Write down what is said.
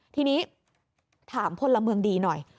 ทีนี้ถามพลเมืองดีหน่อย